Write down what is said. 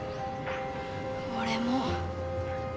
俺も。